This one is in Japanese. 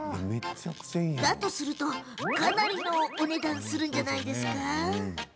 だとしたらかなりのお値段するんじゃないんですか？